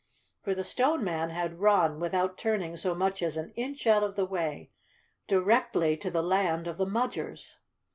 For the Stone Man had run, with¬ out turning so much as an inch out of the way, directly to the land of the Mudgers.